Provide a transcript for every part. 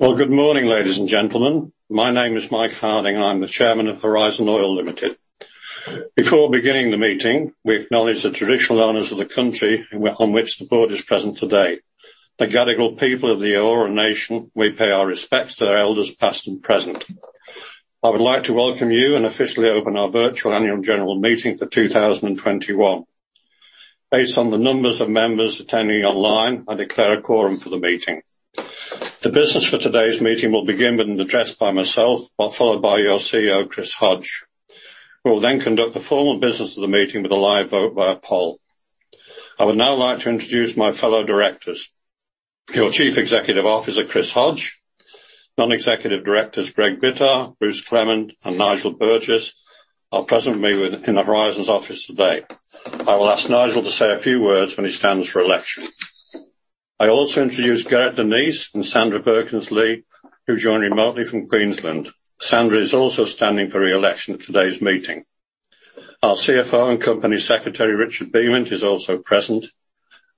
Well, good morning, ladies and gentlemen. My name is Mike Harding. I'm the chairman of Horizon Oil Limited. Before beginning the meeting, we acknowledge the traditional owners of the country on which the board is present today, the Gadigal people of the Eora nation. We pay our respects to their elders, past and present. I would like to welcome you and officially open our virtual annual general meeting for 2021. Based on the numbers of members attending online, I declare a quorum for the meeting. The business for today's meeting will begin with an address by myself, followed by your CEO, Chris Hodge. We will then conduct the formal business of the meeting with a live vote via poll. I would now like to introduce my fellow directors. Your Chief Executive Officer, Chris Hodge. Non-executive directors, Greg Bittar, Bruce Clement, and Nigel Burgess, are present with me in Horizon's office today. I will ask Nigel to say a few words when he stands for election. I also introduce Gareth DeNiese and Sandra Birkensleigh, who join remotely from Queensland. Sandra is also standing for reelection at today's meeting. Our CFO and Company Secretary, Richard Beament, is also present,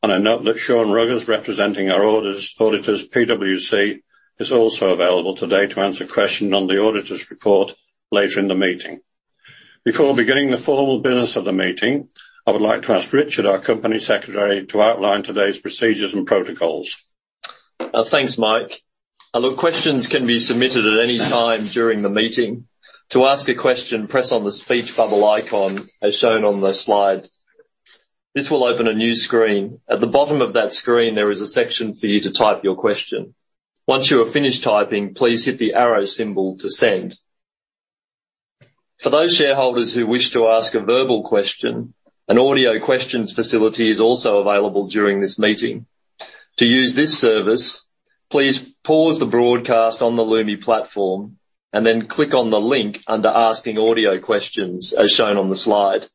and I note that Sean Ruggers, representing our auditors, PwC, is also available today to answer questions on the auditors report later in the meeting. Before beginning the formal business of the meeting, I would like to ask Richard, our company secretary, to outline today's procedures and protocols. Thanks, Mike. Look, questions can be submitted at any time during the meeting. To ask a question, press on the speech bubble icon, as shown on the slide. This will open a new screen. At the bottom of that screen, there is a section for you to type your question. Once you are finished typing, please hit the arrow symbol to send. For those shareholders who wish to ask a verbal question, an audio questions facility is also available during this meeting. To use this service, please pause the broadcast on the Lumi platform and then click on the link under asking audio questions, as shown on the slide.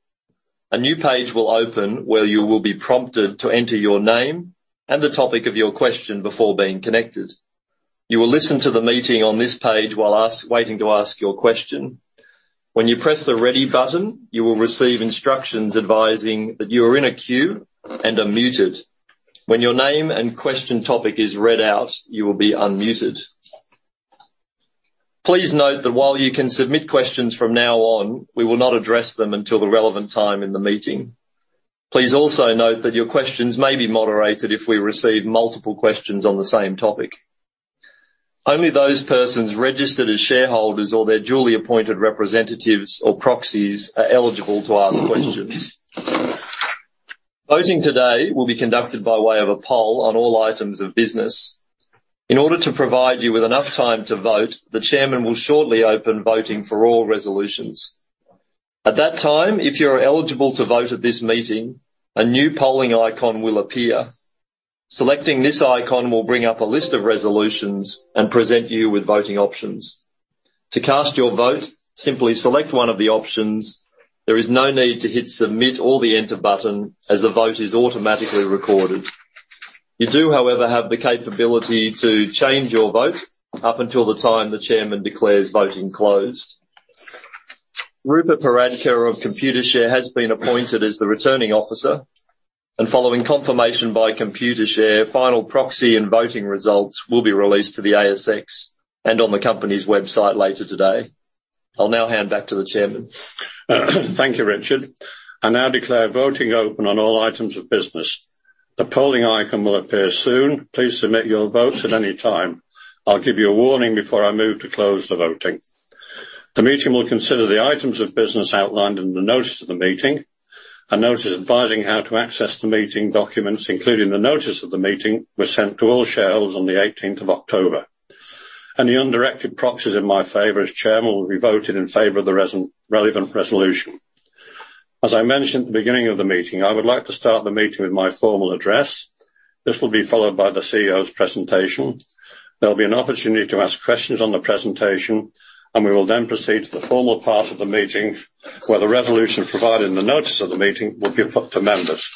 A new page will open where you will be prompted to enter your name and the topic of your question before being connected. You will listen to the meeting on this page while waiting to ask your question. When you press the Ready button, you will receive instructions advising that you are in a queue and are muted. When your name and question topic is read out, you will be unmuted. Please note that while you can submit questions from now on, we will not address them until the relevant time in the meeting. Please also note that your questions may be moderated if we receive multiple questions on the same topic. Only those persons registered as shareholders or their duly appointed representatives or proxies are eligible to ask questions. Voting today will be conducted by way of a poll on all items of business. In order to provide you with enough time to vote, the chairman will shortly open voting for all resolutions. At that time, if you are eligible to vote at this meeting, a new polling icon will appear. Selecting this icon will bring up a list of resolutions and present you with voting options. To cast your vote, simply select one of the options. There is no need to hit submit or the enter button as the vote is automatically recorded. You do, however, have the capability to change your vote up until the time the chairman declares voting closed. Rupert Paradkar of Computershare has been appointed as the returning officer, and following confirmation by Computershare, final proxy and voting results will be released to the ASX and on the company's website later today. I'll now hand back to the chairman. Thank you, Richard. I now declare voting open on all items of business. A polling icon will appear soon. Please submit your votes at any time. I'll give you a warning before I move to close the voting. The meeting will consider the items of business outlined in the notice of the meeting. A notice advising how to access the meeting documents, including the notice of the meeting, was sent to all shareholders on the eighteenth of October. Any undirected proxies in my favor as Chairman will be voted in favor of the relevant resolution. As I mentioned at the beginning of the meeting, I would like to start the meeting with my formal address. This will be followed by the CEO's presentation. There'll be an opportunity to ask questions on the presentation, and we will then proceed to the formal part of the meeting, where the resolution provided in the notice of the meeting will be put to members.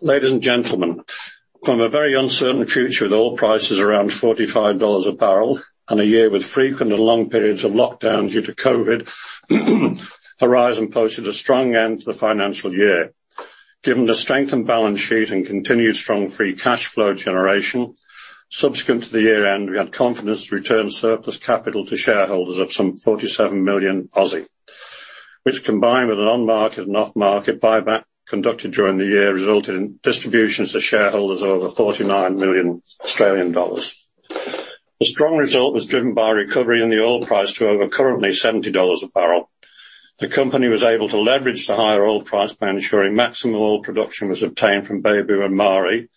Ladies and gentlemen, from a very uncertain future with oil prices around 45 dollars a barrel and a year with frequent and long periods of lockdown due to COVID, Horizon posted a strong end to the financial year. Given the strength and balance sheet and continued strong free cash flow generation, subsequent to the year-end, we had confidence to return surplus capital to shareholders of some 47 million, which, combined with an on-market and off-market buyback conducted during the year, resulted in distributions to shareholders over 49 million Australian dollars. The strong result was driven by a recovery in the oil price to over currently 70 dollars a barrel. The company was able to leverage the higher oil price by ensuring maximum oil production was obtained from Beibu and Maari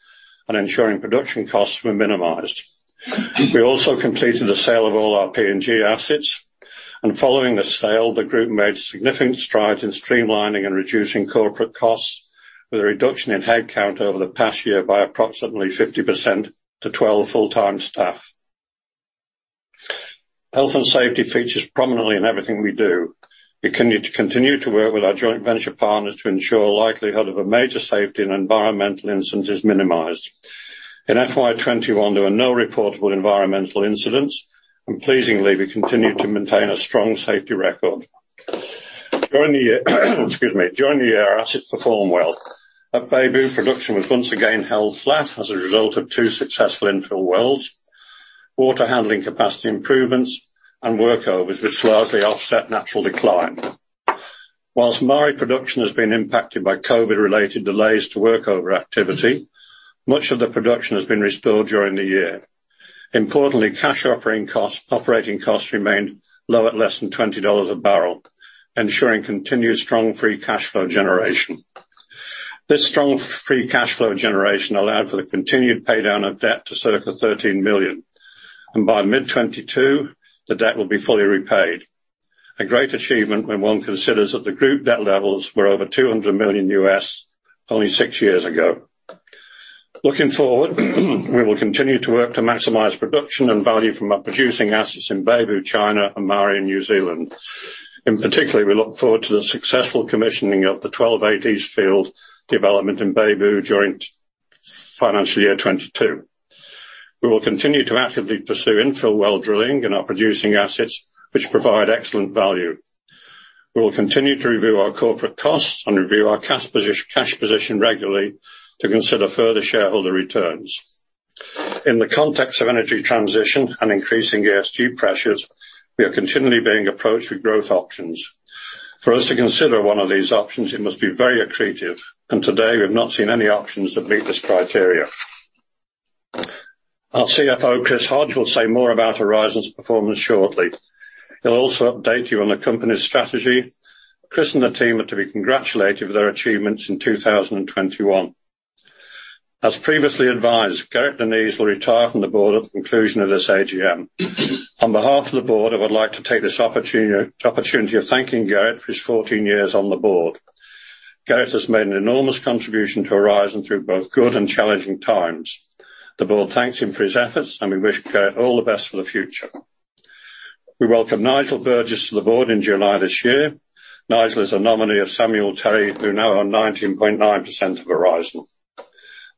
and ensuring production costs were minimized. Following the sale, the group made significant strides in streamlining and reducing corporate costs, with a reduction in headcount over the past year by approximately 50% to 12 full-time staff. Health and safety features prominently in everything we do. We continue to work with our joint venture partners to ensure likelihood of a major safety and environmental incident is minimized. In FY 2021, there were no reportable environmental incidents. Pleasingly, we continued to maintain a strong safety record. Excuse me. During the year our assets performed well. At Beibu, production was once again held flat as a result of two successful infill wells, water handling capacity improvements, and workovers, which largely offset natural decline. While Maari production has been impacted by COVID-related delays to workover activity, much of the production has been restored during the year. Importantly, cash operating costs remained low at less than 20 dollars a barrel, ensuring continued strong free cash flow generation. This strong free cash flow generation allowed for the continued pay down of debt to circa 13 million. By mid 2022, the debt will be fully repaid. A great achievement when one considers that the group debt levels were over $200 million only six years ago. Looking forward, we will continue to work to maximize production and value from our producing assets in Beibu, China and Maari in New Zealand. In particular, we look forward to the successful commissioning of the 12-8 East field development in Beibu during financial year 2022. We will continue to actively pursue infill well drilling in our producing assets, which provide excellent value. We will continue to review our corporate costs and review our cash position regularly to consider further shareholder returns. In the context of energy transition and increasing ESG pressures, we are continually being approached with growth options. For us to consider one of these options, it must be very accretive, and today we have not seen any options that meet this criteria. Our CFO, Chris Hodge, will say more about Horizon's performance shortly. He'll also update you on the company's strategy. Chris and the team are to be congratulated for their achievements in 2021. As previously advised, Gareth DeNiese will retire from the board at the conclusion of this AGM. On behalf of the board, I would like to take this opportunity of thanking Gareth for his 14 years on the board. Gareth has made an enormous contribution to Horizon through both good and challenging times. The board thanks him for his efforts, and we wish Gareth all the best for the future. We welcomed Nigel Burgess to the board in July this year. Nigel is a nominee of Samuel Terry, who now own 19.9% of Horizon.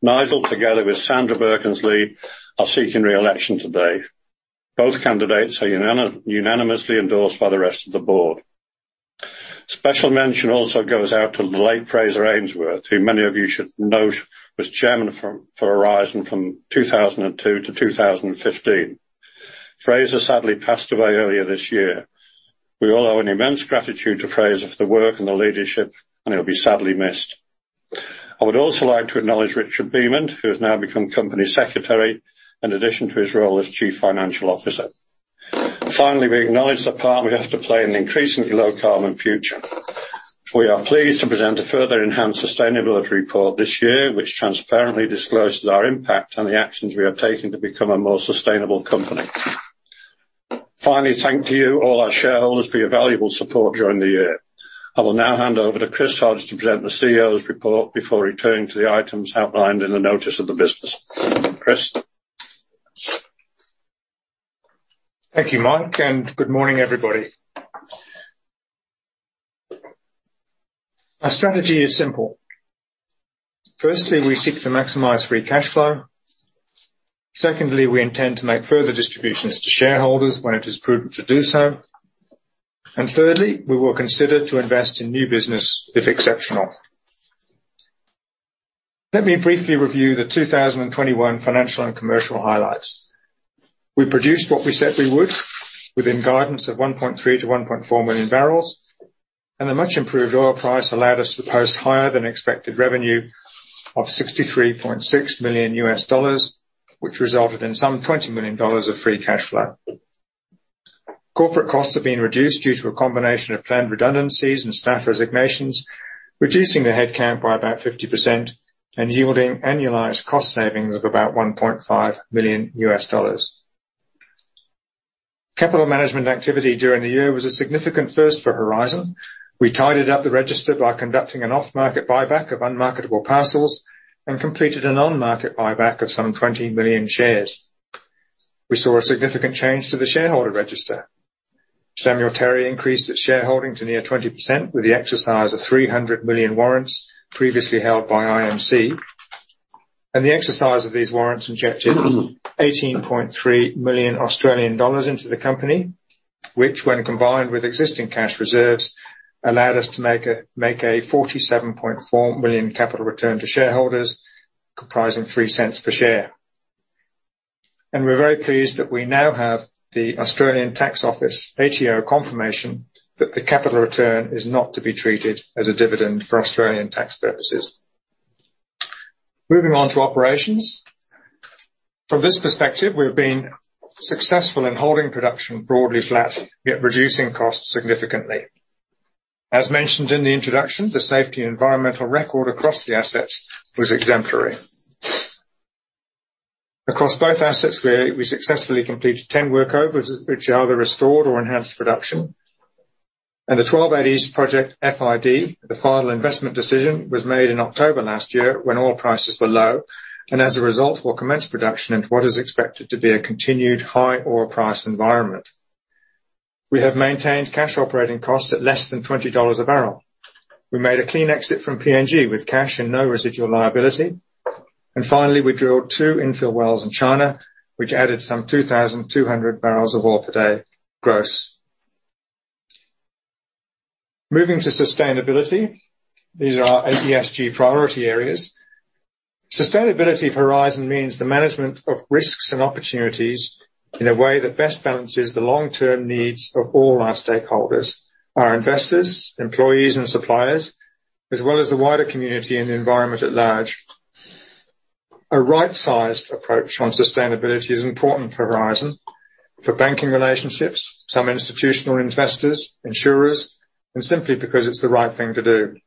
Nigel, together with Sandra Birkensleigh, are seeking re-election today. Both candidates are unanimously endorsed by the rest of the board. Special mention also goes out to the late Fraser Ainsworth, who many of you should know was chairman for Horizon from 2002 to 2015. Fraser sadly passed away earlier this year. We all owe an immense gratitude to Fraser for the work and the leadership, and he'll be sadly missed. I would also like to acknowledge Richard Beament, who has now become company secretary in addition to his role as chief financial officer. Finally, we acknowledge the part we have to play in an increasingly low carbon future. We are pleased to present a further enhanced sustainability report this year, which transparently discloses our impact and the actions we are taking to become a more sustainable company. Finally, thank you, all our shareholders, for your valuable support during the year. I will now hand over to Chris Hodge to present the CEO's report before returning to the items outlined in the notice of the business. Chris? Thank you, Mike. Good morning, everybody. Our strategy is simple. Firstly, we seek to maximize free cash flow. Secondly, we intend to make further distributions to shareholders when it is prudent to do so. Thirdly, we will consider to invest in new business if exceptional. Let me briefly review the 2021 financial and commercial highlights. We produced what we said we would, within guidance of 1.3 to 1.4 million barrels. A much improved oil price allowed us to post higher than expected revenue of $63.6 million, which resulted in some $20 million of free cash flow. Corporate costs have been reduced due to a combination of planned redundancies and staff resignations, reducing the headcount by about 50% and yielding annualized cost savings of about $1.5 million. Capital management activity during the year was a significant first for Horizon. We tidied up the register by conducting an off-market buyback of unmarketable parcels and completed an on-market buyback of some 20 million shares. We saw a significant change to the shareholder register. Samuel Terry increased its shareholding to near 20% with the exercise of 300 million warrants previously held by IMC. The exercise of these warrants injected 18.3 million Australian dollars into the company, which when combined with existing cash reserves, allowed us to make a 47.4 million capital return to shareholders comprising 0.03 per share. We're very pleased that we now have the Australian Taxation Office, ATO, confirmation that the capital return is not to be treated as a dividend for Australian tax purposes. Moving on to operations. From this perspective, we've been successful in holding production broadly flat, yet reducing costs significantly. As mentioned in the introduction, the safety and environmental record across the assets was exemplary. Across both assets, we successfully completed 10 workovers, which either restored or enhanced production. The WZ12-8 East project FID, the final investment decision, was made in October last year when oil prices were low. As a result, we'll commence production into what is expected to be a continued high oil price environment. We have maintained cash operating costs at less than 20 dollars a barrel. We made a clean exit from PNG with cash and no residual liability. Finally, we drilled two infill wells in China, which added some 2,200 barrels of oil per day gross. Moving to sustainability, these are our ESG priority areas. Sustainability of Horizon means the management of risks and opportunities in a way that best balances the long-term needs of all our stakeholders, our investors, employees and suppliers, as well as the wider community and the environment at large. A right-sized approach on sustainability is important for Horizon, for banking relationships, some institutional investors, insurers, and simply because it's the right thing to do.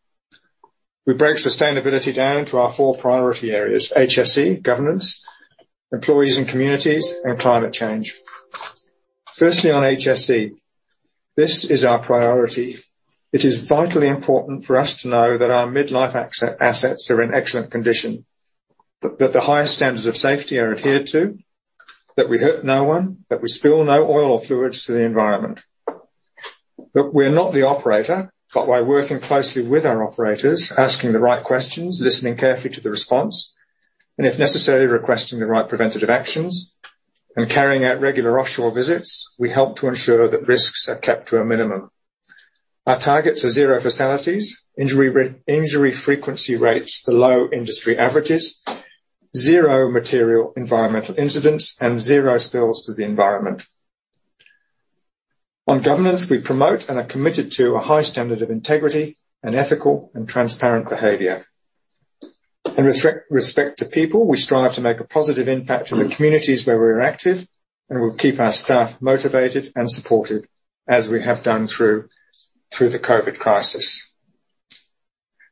We break sustainability down into our four priority areas, HSE, governance, employees and communities, and climate change. Firstly, on HSE. This is our priority. It is vitally important for us to know that our mid-life assets are in excellent condition. That the highest standards of safety are adhered to. That we hurt no one, that we spill no oil or fluids to the environment. Look, we're not the operator, but by working closely with our operators, asking the right questions, listening carefully to the response, and if necessary, requesting the right preventative actions, and carrying out regular offshore visits, we help to ensure that risks are kept to a minimum. Our targets are zero fatalities, injury frequency rates below industry averages, zero material environmental incidents, and zero spills to the environment. On governance, we promote and are committed to a high standard of integrity and ethical and transparent behavior. In respect to people, we strive to make a positive impact in the communities where we're active, and we'll keep our staff motivated and supported as we have done through the COVID crisis.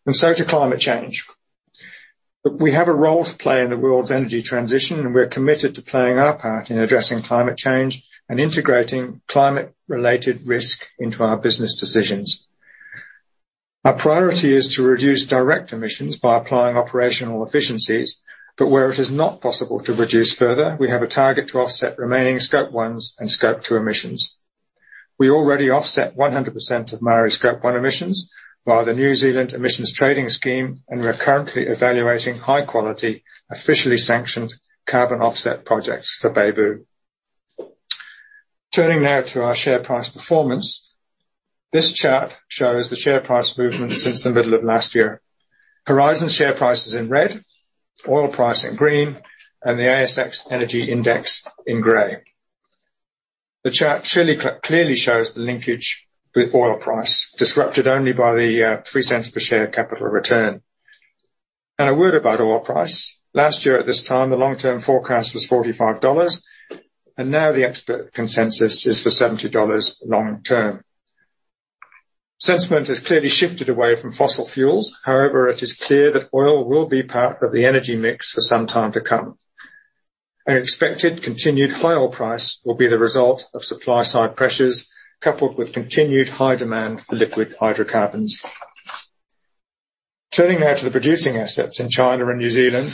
To climate change. Look, we have a role to play in the world's energy transition, and we're committed to playing our part in addressing climate change and integrating climate-related risk into our business decisions. Our priority is to reduce direct emissions by applying operational efficiencies, but where it is not possible to reduce further, we have a target to offset remaining Scope 1 and Scope 2 emissions. We already offset 100% of Maari's Scope 1 emissions via the New Zealand Emissions Trading Scheme, and we are currently evaluating high quality, officially sanctioned carbon offset projects for Beibu. Turning now to our share price performance. This chart shows the share price movement since the middle of last year. Horizon share price is in red, oil price in green, and the ASX Energy Index in gray. The chart clearly shows the linkage with oil price, disrupted only by the 0.03 per share capital return. A word about oil price. Last year at this time, the long-term forecast was $45. Now the expert consensus is for $70 long-term. Sentiment has clearly shifted away from fossil fuels. However, it is clear that oil will be part of the energy mix for some time to come. An expected continued high oil price will be the result of supply side pressures, coupled with continued high demand for liquid hydrocarbons. Turning now to the producing assets in China and New Zealand,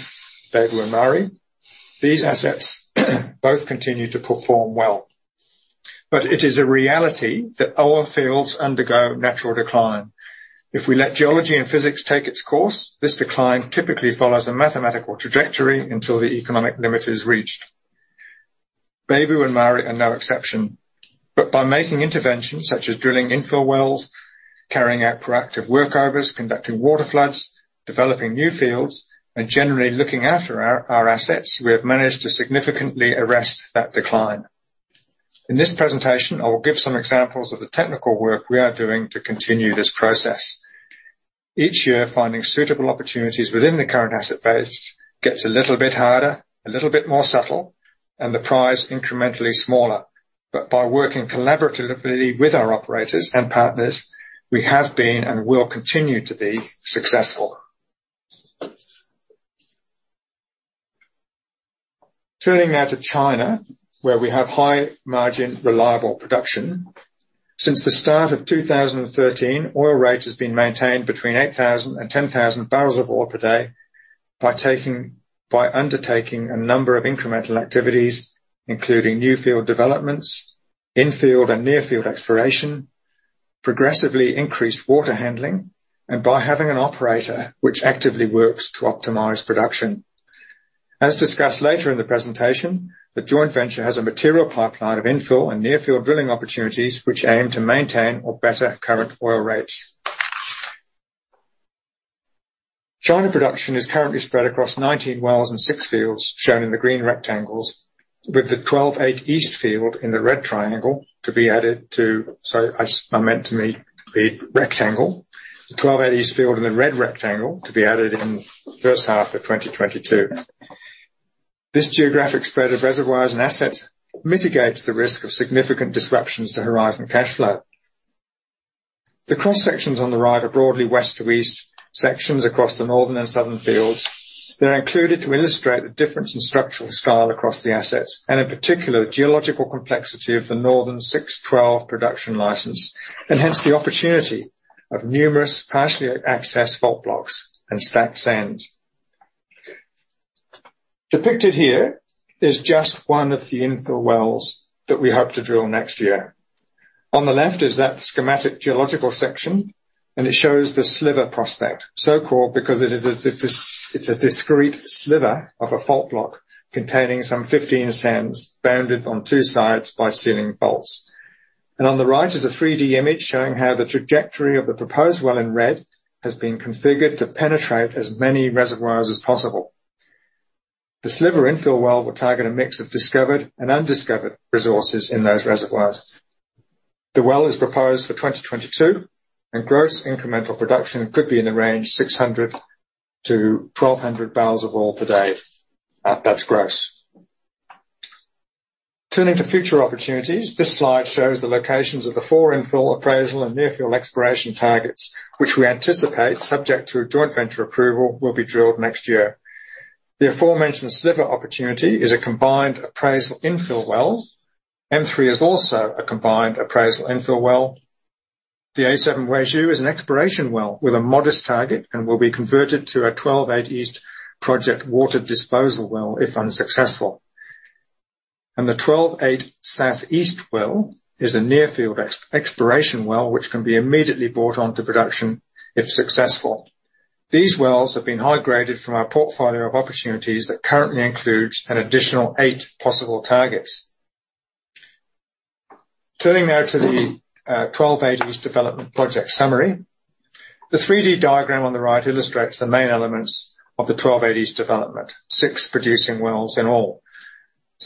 Beibu and Maari. These assets both continue to perform well. It is a reality that oil fields undergo natural decline. If we let geology and physics take its course, this decline typically follows a mathematical trajectory until the economic limit is reached. Beibu and Maari are no exception. By making interventions such as drilling infill wells, carrying out proactive workovers, conducting water floods, developing new fields, and generally looking after our assets, we have managed to significantly arrest that decline. In this presentation, I will give some examples of the technical work we are doing to continue this process. Each year, finding suitable opportunities within the current asset base gets a little bit harder, a little bit more subtle, and the prize incrementally smaller. By working collaboratively with our operators and partners, we have been and will continue to be successful. Turning now to China, where we have high margin, reliable production. Since the start of 2013, oil rate has been maintained between 8,000 and 10,000 barrels of oil per day by undertaking a number of incremental activities, including new field developments, infield and near field exploration, progressively increased water handling, and by having an operator which actively works to optimize production. As discussed later in the presentation, the joint venture has a material pipeline of infill and near field drilling opportunities, which aim to maintain or better current oil rates. China production is currently spread across 19 wells and 6 fields, shown in the green rectangles, with the WZ12-8 East field in the red triangle. The WZ12-8 East field in the red rectangle to be added in the first half of 2022. This geographic spread of reservoirs and assets mitigates the risk of significant disruptions to Horizon cash flow. The cross-sections on the right are broadly west to east sections across the northern and southern fields. They're included to illustrate the difference in structural style across the assets, in particular, geological complexity of the northern 6-12 production license, and hence the opportunity of numerous partially accessed fault blocks and stacked sands. Depicted here is just one of the infill wells that we hope to drill next year. On the left is that schematic geological section, it shows the Sliver prospect, so-called because it's a discrete sliver of a fault block containing some 15 sands bounded on two sides by sealing faults. On the right is a 3D image showing how the trajectory of the proposed well in red has been configured to penetrate as many reservoirs as possible. The Sliver infill well will target a mix of discovered and undiscovered resources in those reservoirs. The well is proposed for 2022, gross incremental production could be in the range 600-1,200 barrels of oil per day. That's gross. Turning to future opportunities, this slide shows the locations of the four infill appraisal and near field exploration targets, which we anticipate, subject to joint venture approval, will be drilled next year. The aforementioned Sliver opportunity is a combined appraisal infill well. M3 is also a combined appraisal infill well. The A7 Weizhou is an exploration well with a modest target and will be converted to a WZ12-8 East project water disposal well, if unsuccessful. The 12/8 South East well is a near field exploration well, which can be immediately brought on to production if successful. These wells have been high-graded from our portfolio of opportunities that currently includes an additional eight possible targets. Turning now to the WZ12-8 East development project summary. The 3D diagram on the right illustrates the main elements of the WZ12-8 East development, six producing wells in all.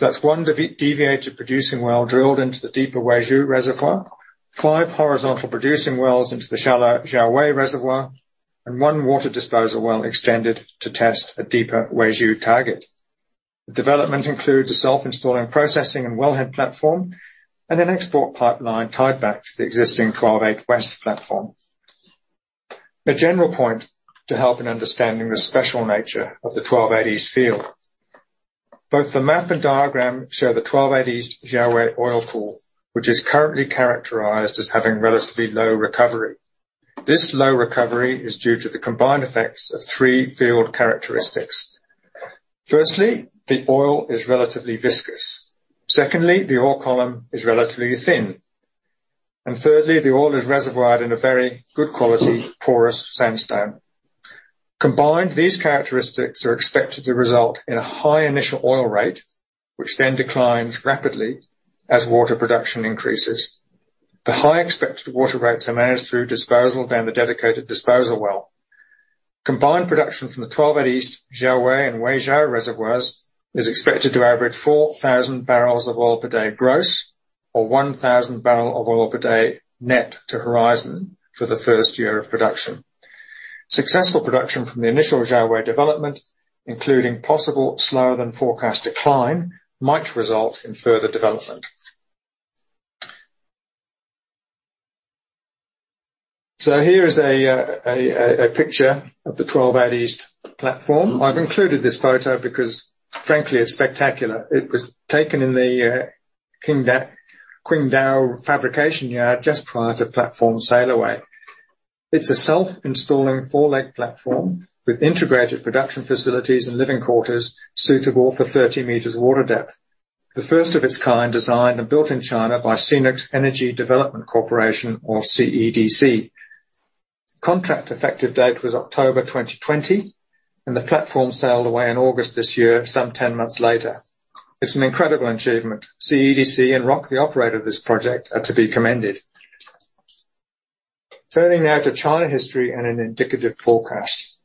That's one deviated producing well drilled into the deeper Weizhou reservoir, five horizontal producing wells into the shallow Jiaowei reservoir, and one water disposal well extended to test a deeper Weizhou target. The development includes a self-installing processing and wellhead platform and an export pipeline tied back to the existing WZ12-8 West platform. A general point to help in understanding the special nature of the WZ12-8 East field. Both the map and diagram show the WZ12-8 East Jiaowei oil pool, which is currently characterized as having relatively low recovery. This low recovery is due to the combined effects of three field characteristics. Firstly, the oil is relatively viscous. Secondly, the oil column is relatively thin. Thirdly, the oil is reservoired in a very good quality, porous sandstone. Combined, these characteristics are expected to result in a high initial oil rate, which then declines rapidly as water production increases. The high expected water rates are managed through disposal down the dedicated disposal well. Combined production from the WZ12-8 East, Jiaowei and Weizhou reservoirs is expected to average 4,000 barrels of oil per day gross or 1,000 barrels of oil per day net to Horizon for the first year of production. Successful production from the initial Jiaowei development, including possible slower than forecast decline, might result in further development. Here is a picture of the WZ12-8 East platform. I've included this photo because frankly, it's spectacular. It was taken in the Qingdao fabrication yard just prior to platform sail away. It's a self-installing four-leg platform with integrated production facilities and living quarters suitable for 30 meters of water depth. The first of its kind designed and built in China by Cenex Energy Development Corporation or CEDC. Contract effective date was October 2020, and the platform sailed away in August this year, some 10 months later. It's an incredible achievement. CEDC and Roc Oil Company, the operator of this project, are to be commended. Turning now to China history and an indicative forecast.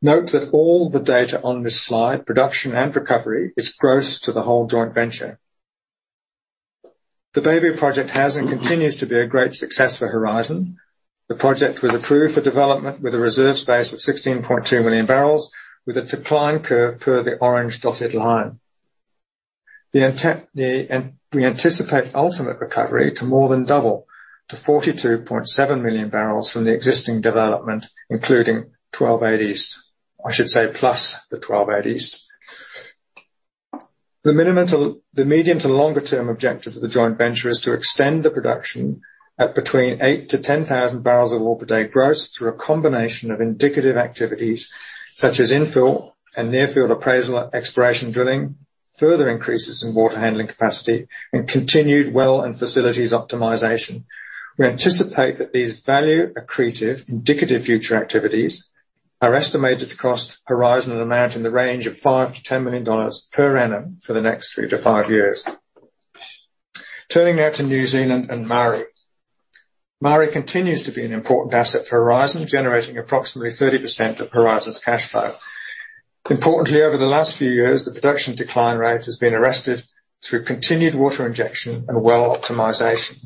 Note that all the data on this slide, production and recovery, is gross to the whole joint venture. The Beibu project has and continues to be a great success for Horizon. The project was approved for development with a reserve space of 16.2 million barrels with a decline curve per the orange dotted line. We anticipate ultimate recovery to more than double to 42.7 million barrels from the existing development, including 12/8 East. I should say, plus the 12/8 East. The medium to longer term objective of the joint venture is to extend the production at between 8,000 to 10,000 barrels of oil per day gross through a combination of indicative activities such as infill and near field appraisal, exploration drilling, further increases in water handling capacity, and continued well and facilities optimization. We anticipate that these value accretive, indicative future activities are estimated to cost Horizon an amount in the range of 5 million-10 million dollars per annum for the next three to five years. Turning now to New Zealand and Maari. Maari continues to be an important asset for Horizon, generating approximately 30% of Horizon's cash flow. Importantly, over the last few years, the production decline rate has been arrested through continued water injection and well optimization.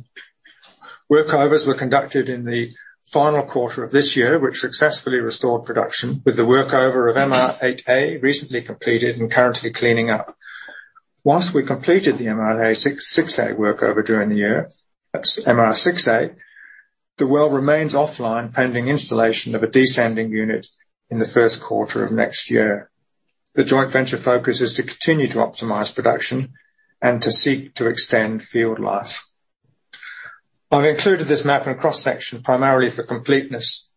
Workovers were conducted in the final quarter of this year, which successfully restored production with the workover of MR-8A recently completed and currently cleaning up. Whilst we completed the MR6A workover during the year, that's MR6A, the well remains offline pending installation of a descending unit in the first quarter of next year. The joint venture focus is to continue to optimize production and to seek to extend field life. I've included this map and cross-section primarily for completeness.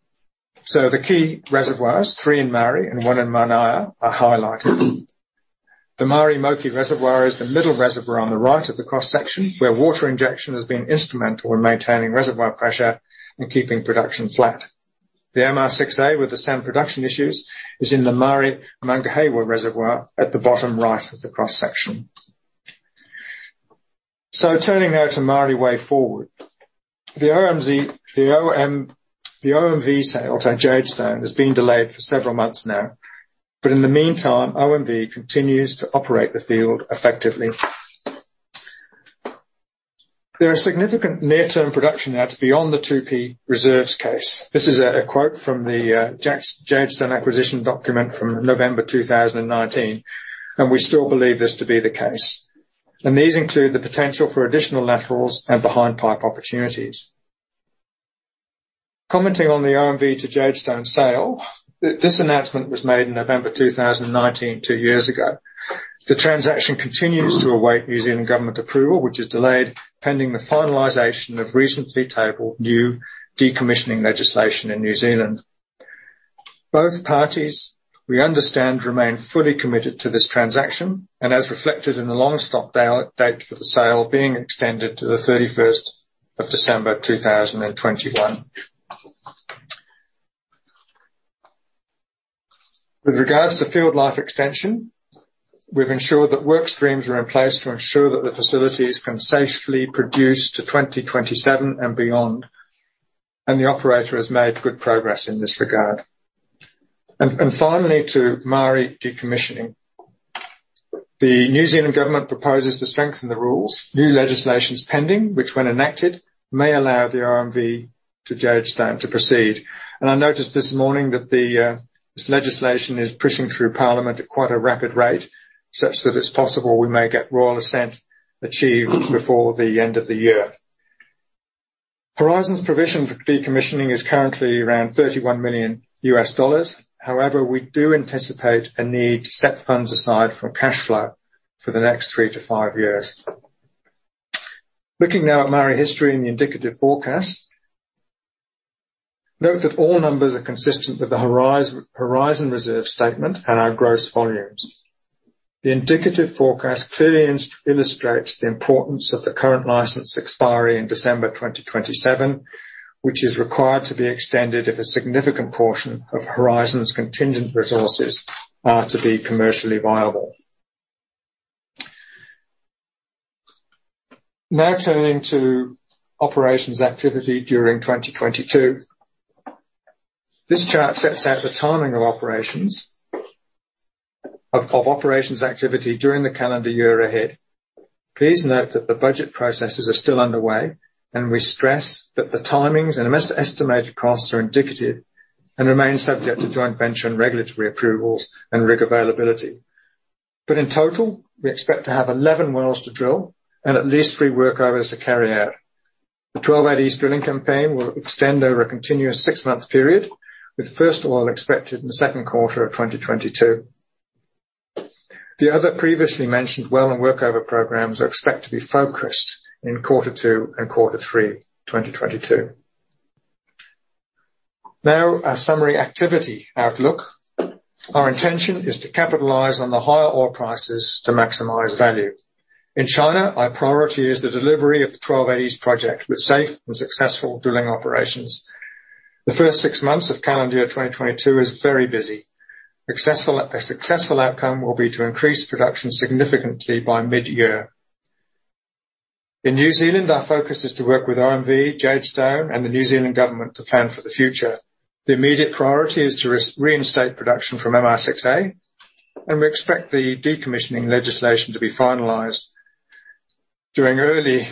The key reservoirs, three in Maari and one in Manaia, are highlighted. The Maari Moki reservoir is the middle reservoir on the right of the cross section, where water injection has been instrumental in maintaining reservoir pressure and keeping production flat. The MR6A, with the sand production issues, is in the Maari Mangahewa reservoir at the bottom right of the cross section. Turning now to Maari way forward. The OMV sale to Jadestone has been delayed for several months now, but in the meantime, OMV continues to operate the field effectively. "There are significant near-term production adds beyond the 2P reserves case." This is a quote from the Jadestone acquisition document from November 2019, and we still believe this to be the case. These include the potential for additional laterals and behind pipe opportunities. Commenting on the OMV to Jadestone sale, this announcement was made in November 2019, two years ago. The transaction continues to await New Zealand government approval, which is delayed pending the finalization of recently tabled new decommissioning legislation in New Zealand. Both parties, we understand, remain fully committed to this transaction and as reflected in the long stop date for the sale being extended to the 31st of December 2021. With regards to field life extension, we've ensured that work streams are in place to ensure that the facilities can safely produce to 2027 and beyond. The operator has made good progress in this regard. Finally, to Maari decommissioning. The New Zealand government proposes to strengthen the rules. New legislation is pending, which when enacted, may allow the OMV to Jadestone to proceed. I noticed this morning that this legislation is pushing through parliament at quite a rapid rate, such that it's possible we may get royal assent achieved before the end of the year. Horizon's provision for decommissioning is currently around $31 million. However, we do anticipate a need to set funds aside for cash flow for the next three to five years. Looking now at Maari history and the indicative forecast, note that all numbers are consistent with the Horizon reserve statement and our gross volumes. The indicative forecast clearly illustrates the importance of the current license expiry in December 2027, which is required to be extended if a significant portion of Horizon's contingent resources are to be commercially viable. Turning to operations activity during 2022. This chart sets out the timing of operations activity during the calendar year ahead. Please note that the budget processes are still underway, and we stress that the timings and estimated costs are indicative and remain subject to joint venture and regulatory approvals and rig availability. In total, we expect to have 11 wells to drill and at least three workovers to carry out. The 12-8 East drilling campaign will extend over a continuous six-month period, with first oil expected in the second quarter of 2022. The other previously mentioned well and workover programs are expected to be focused in quarter two and quarter three 2022. Now, our summary activity outlook. Our intention is to capitalize on the higher oil prices to maximize value. In China, our priority is the delivery of the 12-8 East project with safe and successful drilling operations. The first six months of calendar year 2022 is very busy. A successful outcome will be to increase production significantly by mid-year. In New Zealand, our focus is to work with OMV, Jadestone, and the New Zealand Government to plan for the future. The immediate priority is to reinstate production from MR6A, and we expect the decommissioning legislation to be finalized during early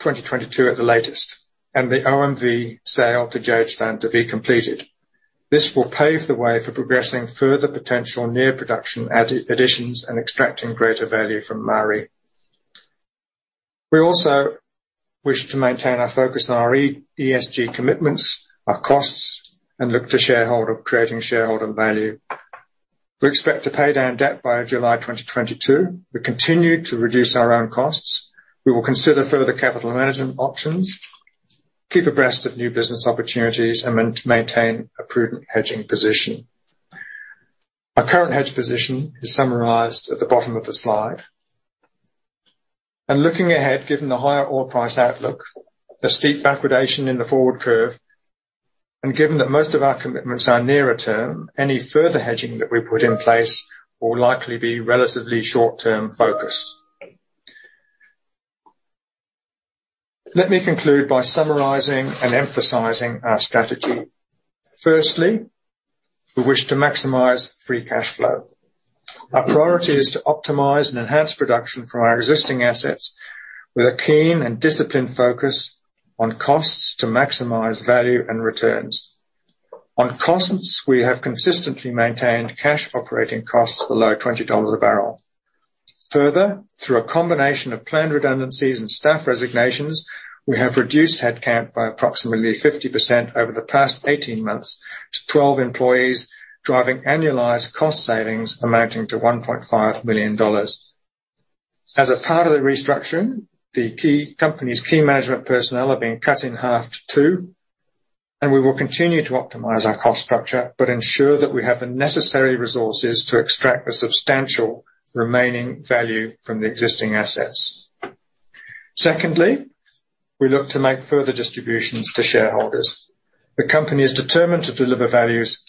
2022 at the latest, and the OMV sale to Jadestone to be completed. This will pave the way for progressing further potential near production additions and extracting greater value from Maari. We also wish to maintain our focus on our ESG commitments, our costs, and look to creating shareholder value. We expect to pay down debt by July 2022. We continue to reduce our own costs. We will consider further capital management options, keep abreast of new business opportunities, and maintain a prudent hedging position. Our current hedge position is summarized at the bottom of the slide. Looking ahead, given the higher oil price outlook, the steep backwardation in the forward curve, and given that most of our commitments are nearer term, any further hedging that we put in place will likely be relatively short-term focused. Let me conclude by summarizing and emphasizing our strategy. Firstly, we wish to maximize free cash flow. Our priority is to optimize and enhance production from our existing assets with a keen and disciplined focus on costs to maximize value and returns. On costs, we have consistently maintained cash operating costs below 20 dollars a barrel. Further, through a combination of planned redundancies and staff resignations, we have reduced head count by approximately 50% over the past 18 months to 12 employees, driving annualized cost savings amounting to 1.5 million dollars. As a part of the restructuring, the company's key management personnel have been cut in half to two, and we will continue to optimize our cost structure, but ensure that we have the necessary resources to extract the substantial remaining value from the existing assets. Secondly, we look to make further distributions to shareholders. The company is determined to deliver values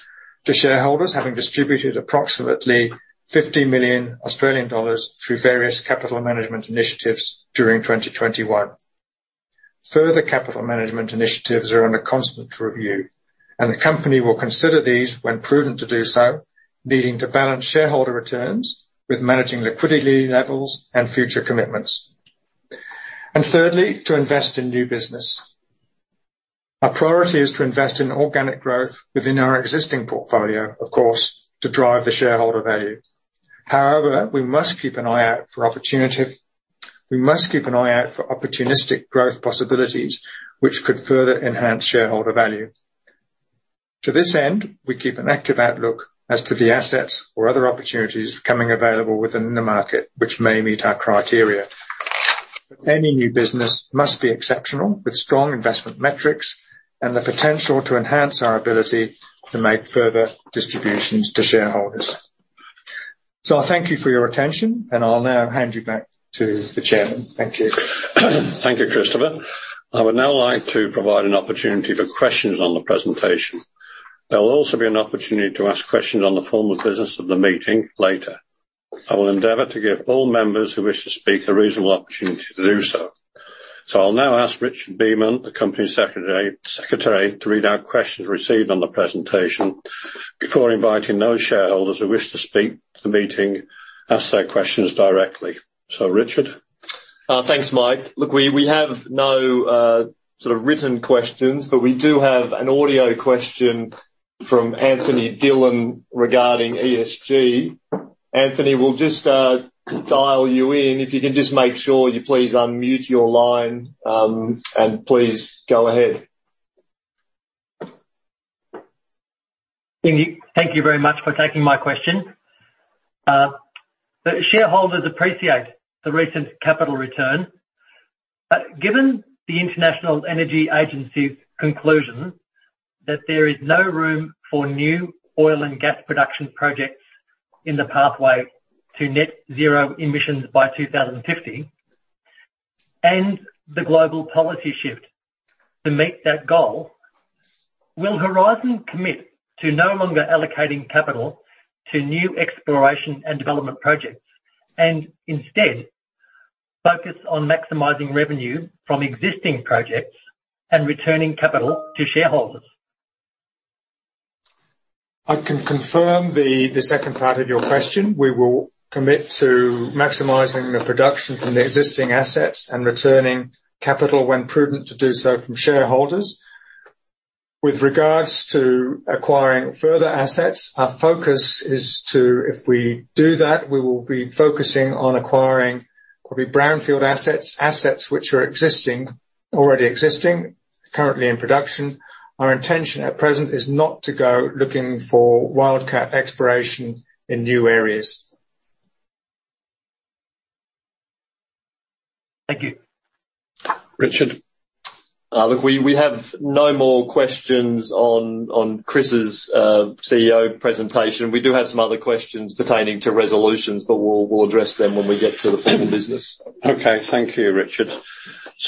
to shareholders, having distributed approximately 50 million Australian dollars through various capital management initiatives during 2021. Further capital management initiatives are under constant review and the company will consider these when prudent to do so, needing to balance shareholder returns with managing liquidity levels and future commitments. Thirdly, to invest in new business. Our priority is to invest in organic growth within our existing portfolio, of course, to drive the shareholder value. However, we must keep an eye out for opportunistic growth possibilities which could further enhance shareholder value. To this end, we keep an active outlook as to the assets or other opportunities becoming available within the market, which may meet our criteria. Any new business must be exceptional with strong investment metrics and the potential to enhance our ability to make further distributions to shareholders. I thank you for your attention, and I'll now hand you back to the chairman. Thank you. Thank you, Christopher. I would now like to provide an opportunity for questions on the presentation. There will also be an opportunity to ask questions on the formal business of the meeting later. I will endeavor to give all members who wish to speak a reasonable opportunity to do so. I'll now ask Richard Beament, the company secretary, to read out questions received on the presentation before inviting those shareholders who wish to speak to the meeting, ask their questions directly. So Richard. Thanks, Mike. Look, we have no written questions, we do have an audio question from Anthony Dillon regarding ESG. Anthony, we'll just, dial you in. If you can just make sure you please unmute your line, and please go ahead. Thank you very much for taking my question. The shareholders appreciate the recent capital return. Given the International Energy Agency's conclusion that there is no room for new oil and gas production projects in the pathway to net zero emissions by 2050 and the global policy shift to meet that goal, will Horizon commit to no longer allocating capital to new exploration and development projects, and instead focus on maximizing revenue from existing projects and returning capital to shareholders? I can confirm the second part of your question. We will commit to maximizing the production from the existing assets and returning capital when prudent to do so from shareholders. With regards to acquiring further assets, our focus is to, if we do that, we will be focusing on acquiring probably brownfield assets which are existing, already existing, currently in production. Our intention at present is not to go looking for wildcat exploration in new areas. Thank you. Richard? We have no more questions on Chris's CEO presentation. We do have some other questions pertaining to resolutions, but we'll address them when we get to the formal business. Okay. Thank you, Richard.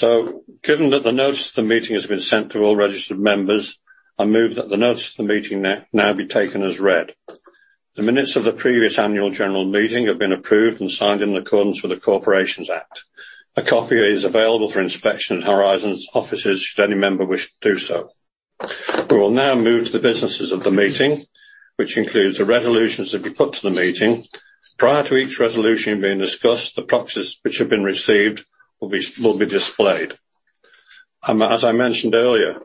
Given that the notice of the meeting has been sent to all registered members, I move that the notice of the meeting now be taken as read. The minutes of the previous annual general meeting have been approved and signed in accordance with the Corporations Act. A copy is available for inspection at Horizon's offices should any member wish to do so. We will now move to the businesses of the meeting, which includes the resolutions to be put to the meeting. Prior to each resolution being discussed, the proxies which have been received will be displayed. As I mentioned earlier,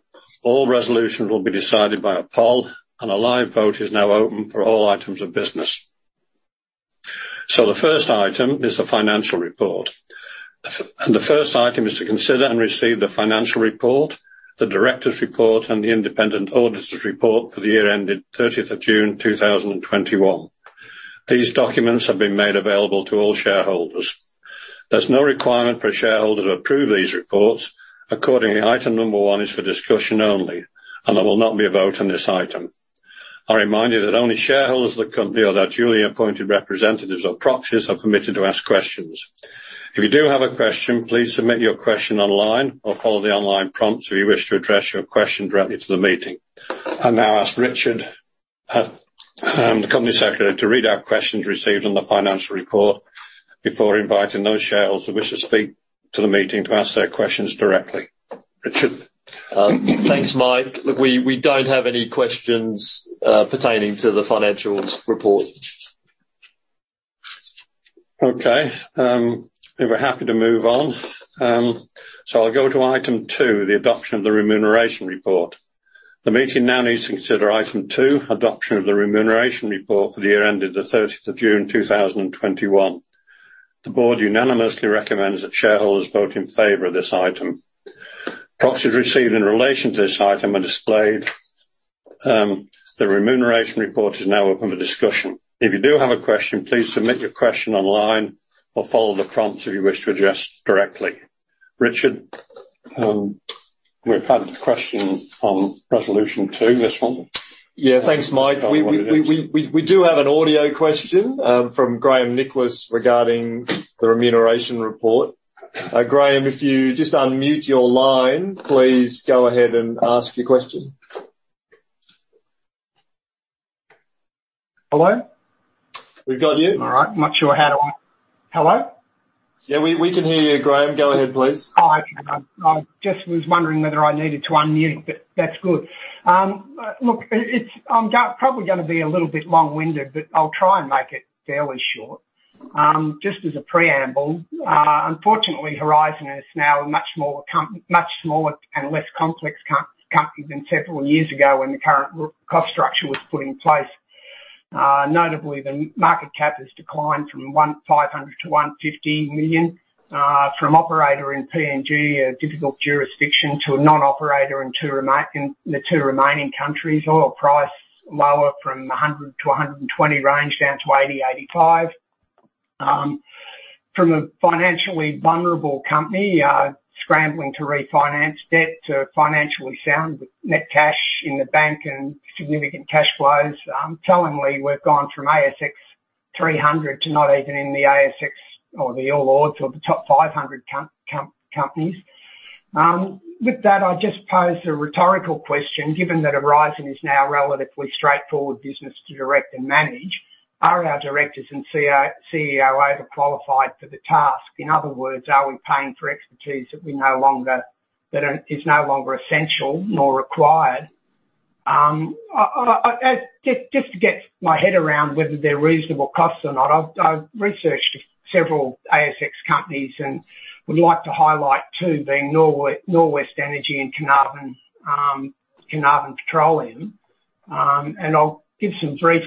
all resolutions will be decided by a poll, and a live vote is now open for all items of business. The first item is the financial report. The first item is to consider and receive the financial report, the director's report, and the independent auditor's report for the year ending 30th of June 2021. These documents have been made available to all shareholders. There's no requirement for a shareholder to approve these reports. Accordingly, item number one is for discussion only, and there will not be a vote on this item. I remind you that only shareholders of the company or their duly appointed representatives or proxies are permitted to ask questions. If you do have a question, please submit your question online or follow the online prompts if you wish to address your question directly to the meeting. I'll now ask Richard, the Company Secretary, to read out questions received on the financial report before inviting those shareholders who wish to speak to the meeting to ask their questions directly. Richard. Thanks, Mike. Look, we don't have any questions pertaining to the financial report. Okay. If we're happy to move on. I'll go to item 2, the adoption of the remuneration report. The meeting now needs to consider item 2, adoption of the remuneration report for the year ended the 30th of June 2021. The board unanimously recommends that shareholders vote in favor of this item. Proxies received in relation to this item are displayed. The remuneration report is now open for discussion. If you do have a question, please submit your question online or follow the prompts if you wish to address directly. Richard, we've had a question on resolution 2, this one. Yeah. Thanks, Mike. We do have an audio question from Graham Nicholas regarding the remuneration report. Graham, if you just unmute your line, please go ahead and ask your question. Hello? We've got you. All right. Not sure how to Hello? Yeah, we can hear you, Graham. Go ahead, please. I just was wondering whether I needed to unmute, but that's good. I'm probably gonna be a little bit long-winded, but I'll try and make it fairly short. Just as a preamble, unfortunately, Horizon is now a much smaller and less complex company than several years ago when the current cost structure was put in place. Notably, the market cap has declined from 500 million to 150 million. From operator in PNG, a difficult jurisdiction, to a non-operator in the two remaining countries. Oil price, lower from $100-$120 range down to $80-$85. From a financially vulnerable company, scrambling to refinance debt to financially sound with net cash in the bank and significant cash flows. Tellingly, we've gone from ASX 300 to not even in the ASX or the All Ords or the top 500 companies. With that, I just pose a rhetorical question, given that Horizon is now a relatively straightforward business to direct and manage, are our directors and CEO overqualified for the task? In other words, are we paying for expertise that is no longer essential nor required? Just to get my head around whether they're reasonable costs or not, I've researched several ASX companies and would like to highlight two, being Norwest Energy and Carnarvon Petroleum. I'll give some brief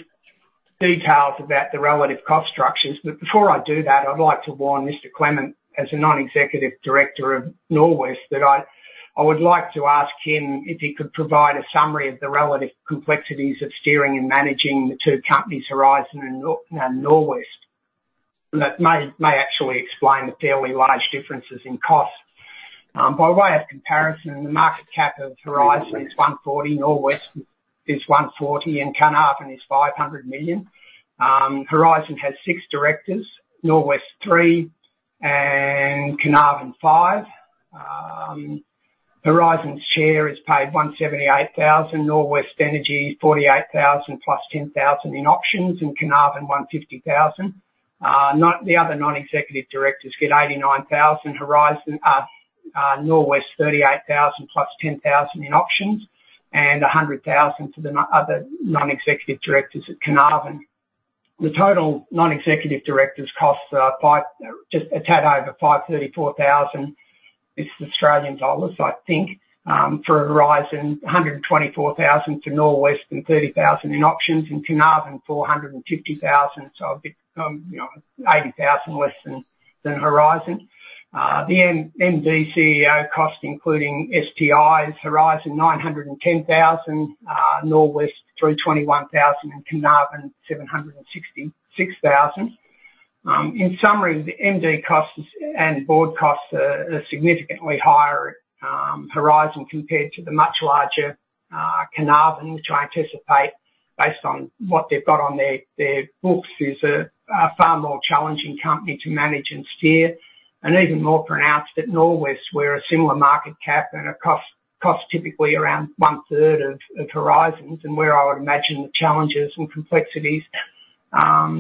details about the relative cost structures. Before I do that, I'd like to warn Mr. Clement, as a non-executive director of Norwest, that I would like to ask him if he could provide a summary of the relative complexities of steering and managing the two companies, Horizon and Norwest. That may actually explain the fairly large differences in cost. By way of comparison, the market cap of Horizon is 140 million, Norwest is 140 million, and Carnarvon is 500 million. Horizon has 6 directors, Norwest 3, and Carnarvon 5. Horizon's chair is paid 178,000. Norwest Energy is 48,000 plus 10,000 in options, and Carnarvon 150,000. The other non-executive directors get 89,000 Horizon, Norwest 38,000 plus 10,000 in options and 100,000 to the other non-executive directors at Carnarvon. The total non-executive directors costs are just a tad over 534,000. This is AUD, I think. For Horizon, 124,000 to Norwest and 30,000 in options, and Carnarvon 450,000. A bit, 80,000 less than Horizon. The MD CEO cost, including STIs, Horizon 910,000, Norwest 321,000, and Carnarvon 766,000. In summary, the MD costs and board costs are significantly higher at Horizon compared to the much larger Carnarvon, which I anticipate based on what they've got on their books is a far more challenging company to manage and steer. Even more pronounced at Norwest, we're a similar market cap and a cost typically around one-third of Horizon's, and where I would imagine the challenges and complexities are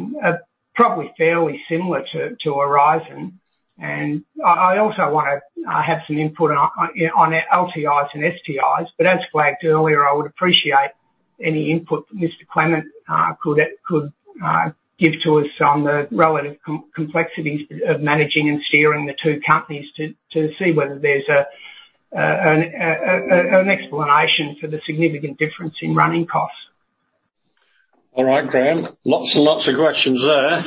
probably fairly similar to Horizon. I also want to have some input on LTIs and STIs, but as flagged earlier, I would appreciate any input Mr. Clement could give to us on the relative complexities of managing and steering the two companies to see whether there's an explanation for the significant difference in running costs. All right, Graham. Lots and lots of questions there.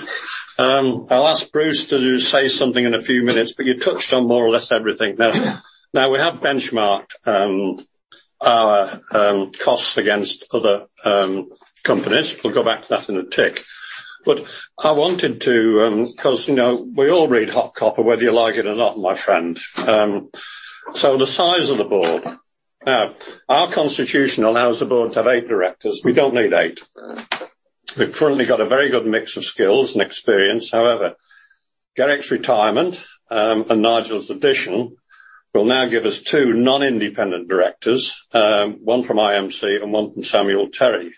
I'll ask Bruce to say something in a few minutes. You touched on more or less everything. We have benchmarked our costs against other companies. We'll go back to that in a tick. I wanted to, because, we all read HotCopper, whether you like it or not, my friend. The size of the board. Our constitution allows the board to have eight directors. We don't need eight. We've currently got a very good mix of skills and experience. However, Gareth's retirement, and Nigel's addition will now give us two non-independent directors, one from IMC and one from Samuel Terry.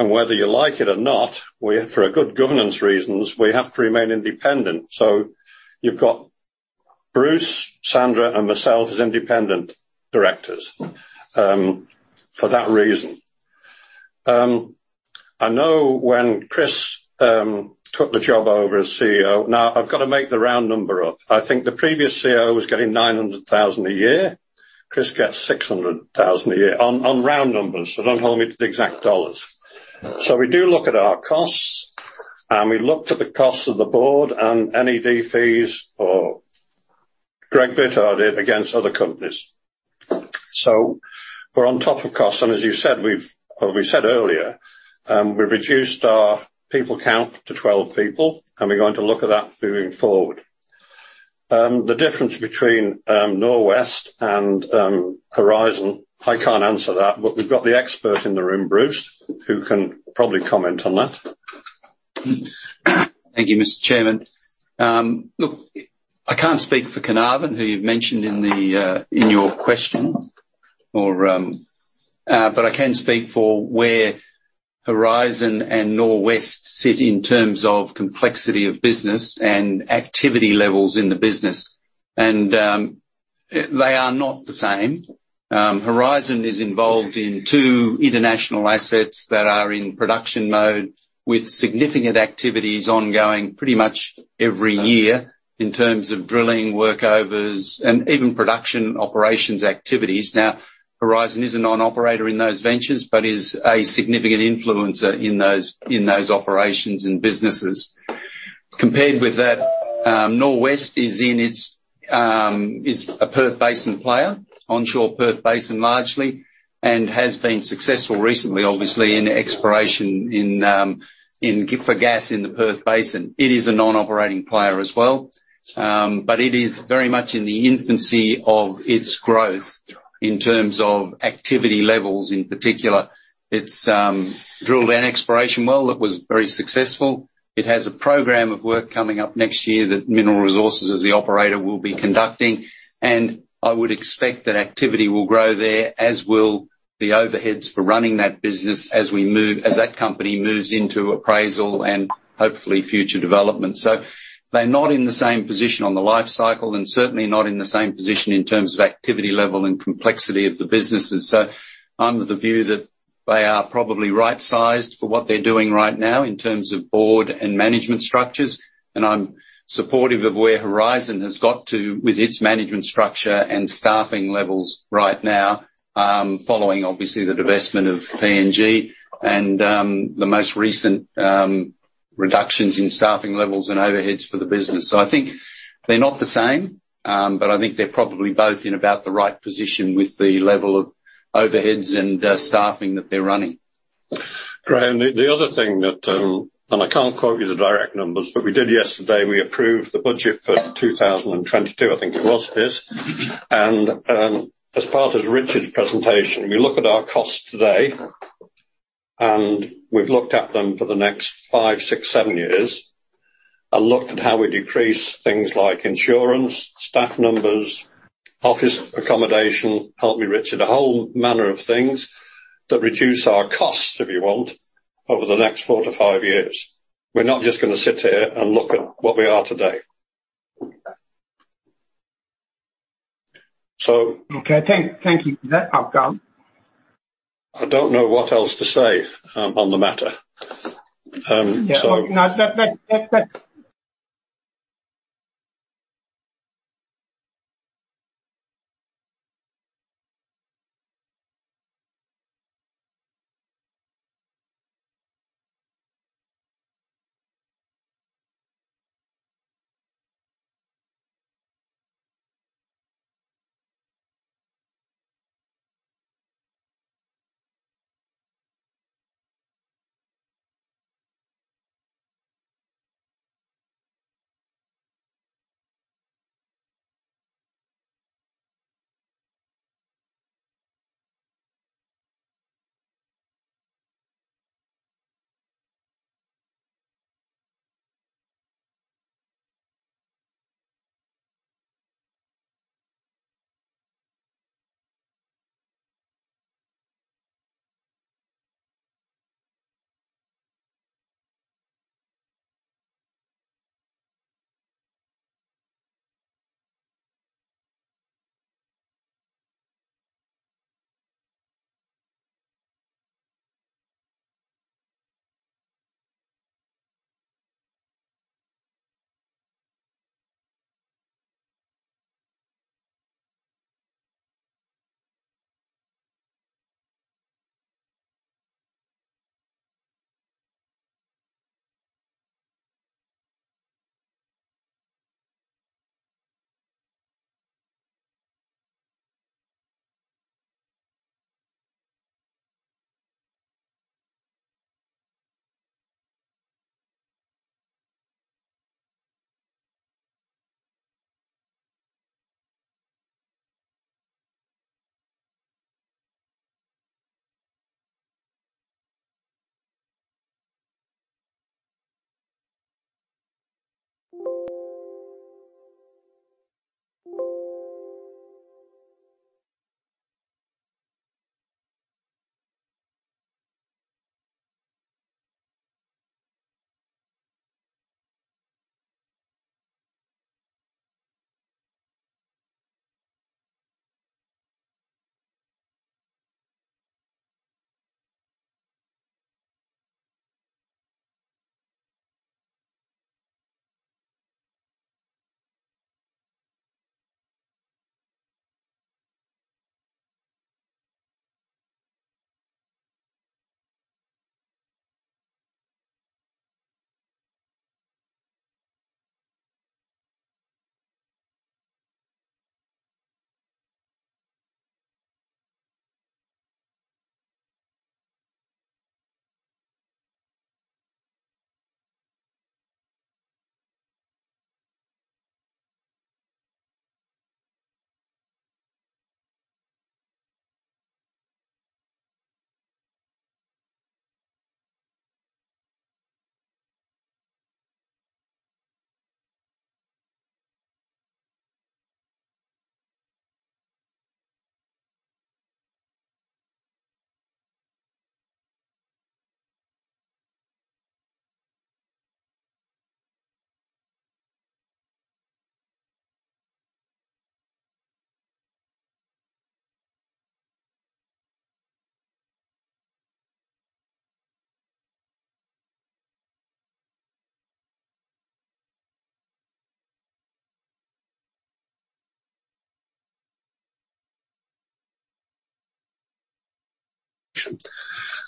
Whether you like it or not, for good governance reasons, we have to remain independent. You've got Bruce, Sandra, and myself as independent directors for that reason. I know when Chris took the job over as CEO, now I've got to make the round number up. I think the previous CEO was getting 900,000 a year. Chris gets 600,000 a year. On round numbers, don't hold me to the exact dollars. We do look at our costs, and we looked at the costs of the board and NED fees, or Greg Bittar did, against other companies. We're on top of costs. As we said earlier, we've reduced our people count to 12 people, and we're going to look at that moving forward. The difference between Norwest and Horizon, I can't answer that, but we've got the expert in the room, Bruce, who can probably comment on that. Thank you, Mr. Chairman. Look, I can't speak for Carnarvon, who you've mentioned in your question. I can speak for where Horizon and Norwest sit in terms of complexity of business and activity levels in the business. They are not the same. Horizon is involved in two international assets that are in production mode, with significant activities ongoing pretty much every year in terms of drilling, workovers, and even production operations activities. Now, Horizon is a non-operator in those ventures but is a significant influencer in those operations and businesses. Compared with that, Norwest is a Perth Basin player, onshore Perth Basin largely, and has been successful recently, obviously, in exploration for gas in the Perth Basin. It is a non-operating player as well. It is very much in the infancy of its growth in terms of activity levels, in particular. It's drilled an exploration well that was very successful. It has a program of work coming up next year that Mineral Resources, as the operator, will be conducting. I would expect that activity will grow there, as will the overheads for running that business as that company moves into appraisal and hopefully future development. They're not in the same position on the life cycle and certainly not in the same position in terms of activity level and complexity of the businesses. I'm of the view that they are probably right-sized for what they're doing right now in terms of board and management structures. I'm supportive of where Horizon has got to with its management structure and staffing levels right now, following obviously the divestment of PNG and the most recent reductions in staffing levels and overheads for the business. I think they're not the same. I think they're probably both in about the right position with the level of overheads and staffing that they're running. Graham, the other thing that, and I can't quote you the direct numbers, but we did yesterday. We approved the budget for 2022, I think it was, Chris. As part of Richard's presentation, we look at our costs today. We've looked at them for the next five, six, seven years and looked at how we decrease things like insurance, staff numbers, office accommodation. Help me, Richard. A whole manner of things that reduce our costs, if you want, over the next four to five years. We're not just going to sit here and look at what we are today. Okay. Thank you for that, I've gone. I don't know what else to say on the matter. No. That's it.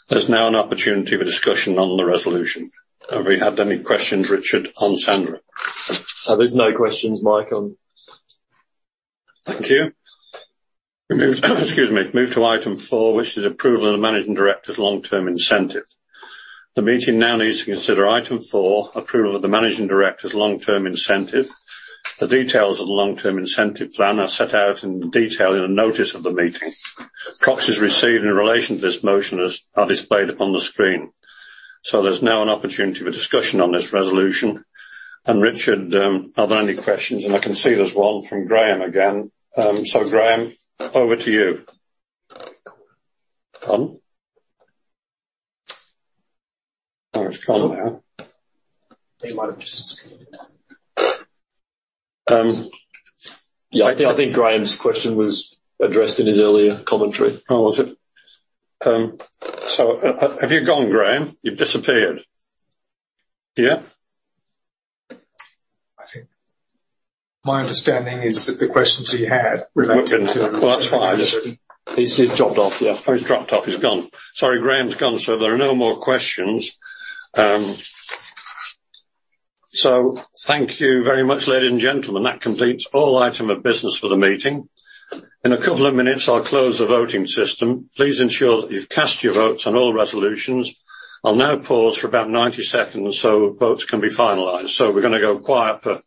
There's now an opportunity for discussion on the resolution. Have we had any questions, Richard, on Sandra? There's no questions, Mike, on. Thank you. Excuse me. Move to item 4, which is approval of the Managing Director's long-term incentive. The meeting now needs to consider item 4, approval of the Managing Director's long-term incentive. The details of the long-term incentive plan are set out in detail in the notice of the meeting. Proxies received in relation to this motion are displayed up on the screen. There's now an opportunity for discussion on this resolution. Richard, are there any questions? I can see there's one from Graham again. Graham, over to you. Gone? I think he's gone now. I think he might have just disconnected then. Yeah, I think Graham's question was addressed in his earlier commentary. Oh, was it? Have you gone, Graham? You've disappeared. Yeah? I think my understanding is that the questions he had related to. Well, that's fine. He's dropped off, yeah. Oh, he's dropped off. He's gone. Sorry, Graham's gone. There are no more questions. Thank you very much, ladies and gentlemen. That completes all item of business for the meeting. In a couple of minutes, I'll close the voting system. Please ensure that you've cast your votes on all resolutions. I'll now pause for about 90 seconds, so votes can be finalized. We're going to go quiet for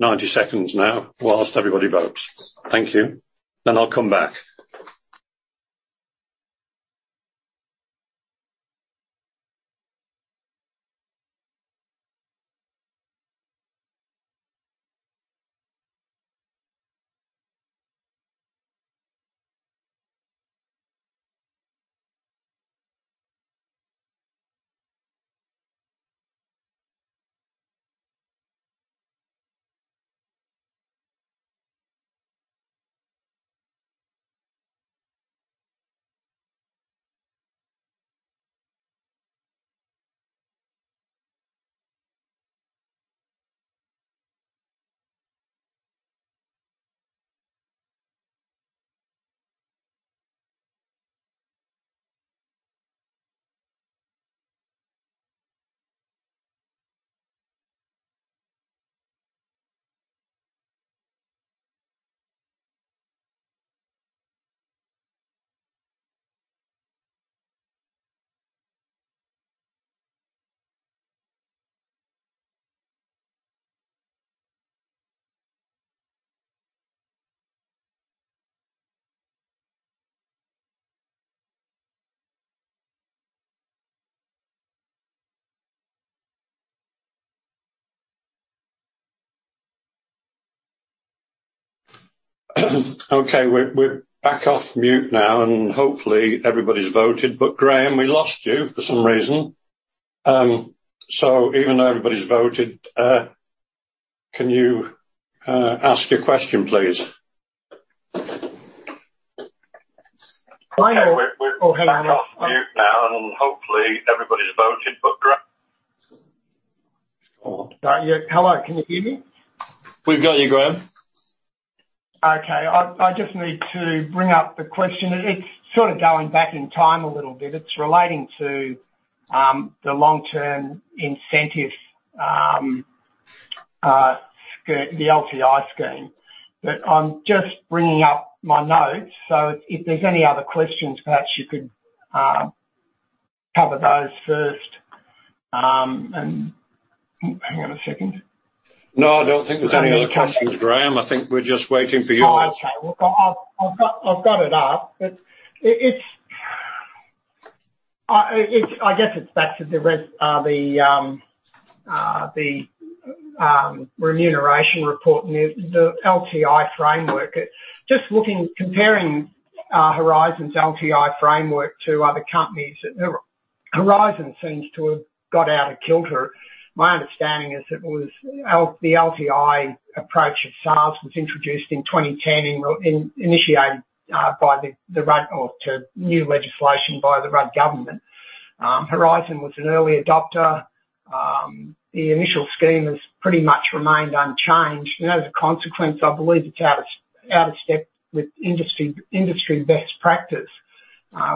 90 seconds now whilst everybody votes. Thank you. I'll come back. Okay, we're back off mute now, hopefully everybody's voted. Graham, we lost you for some reason. Even though everybody's voted, can you ask your question, please? Final or- We're back off mute now, hopefully everybody's voted. Oh, yeah. Hello, can you hear me? We've got you, Graham. Okay. I just need to bring up the question. It's sort of going back in time a little bit. It's relating to the long-term incentive, the LTI scheme. I'm just bringing up my notes. If there's any other questions, perhaps you could cover those first. Hang on a second. No, I don't think there's any other questions, Graham. I think we're just waiting for yours. Oh, okay. Well, I've got it up, but I guess it's back to the remuneration report and the LTI framework. Just looking, comparing Horizon's LTI framework to other companies, Horizon seems to have got out of kilter. My understanding is it was the LTI approach of SARs was introduced in 2010, initiated to new legislation by the Rudd Government. Horizon was an early adopter. The initial scheme has pretty much remained unchanged. As a consequence, I believe it is out of step with industry best practice,